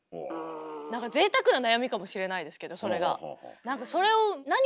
何かぜいたくな悩みかもしれないですけどそれが。